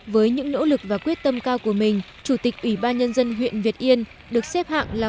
với những nỗ lực và quyết tâm cao của mình chủ tịch ubnd huyện việt yên được xếp hạng là